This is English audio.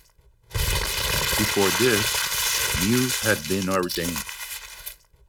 Before this Mews had been ordained.